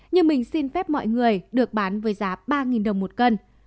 nhưng mình xin phép mọi người được bán với giá ba đồng một cân